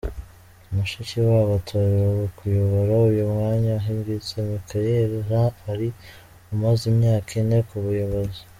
Mushikiwabo atorewe kuyobora uyu mwanya ahigitse Michaëlle Jean wari umaze imyaka ine ku buyobozi.